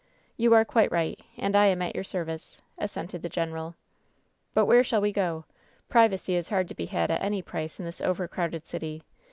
"You are quite right. And I am at your service," assented the general. "But where shall we go f Privacy is hardly to be had at any price in this overcrowded city.